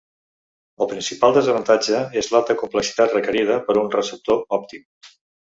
El principal desavantatge és l'alta complexitat requerida per un receptor òptim.